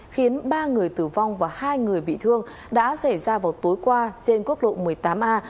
khiến ba người tử vong và hai người bị thương đã xảy ra vào tối qua trên quốc lộ một mươi tám a